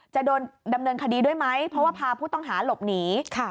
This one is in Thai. จะโดนดำเนินคดีด้วยไหมเพราะว่าพาผู้ต้องหาหลบหนี